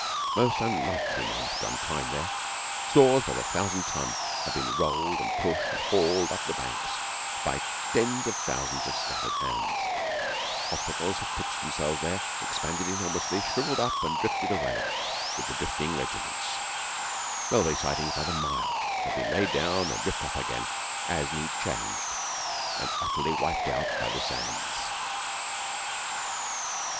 The most unlikely men have done time there; stores by the thousand ton have been rolled and pushed and hauled up the banks by tens of thousands of scattered hands; hospitals have pitched themselves there, expanded enormously, shrivelled up and drifted away with the drifting regiments; railway sidings by the mile have been laid down and ripped up again, as need changed, and utterly wiped out by the sands.